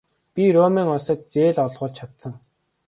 Би Румын улсад зээл олгуулж чадсан.